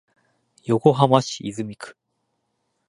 横浜市泉区